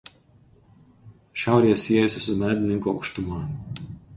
Šiaurėje siejasi su Medininkų aukštuma.